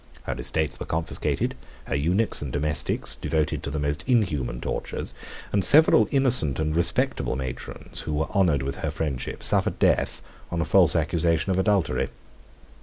Her estates were confiscated, her eunuchs and domestics devoted to the most inhuman tortures; and several innocent and respectable matrons, who were honored with her friendship, suffered death, on a false accusation of adultery.